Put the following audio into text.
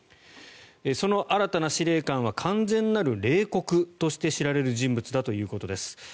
その新たな司令官は完全なる冷酷として知られる人物だということです。